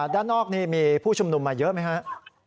ด้านนอกนี่มีผู้ชุมนุมมาเยอะไหมครับ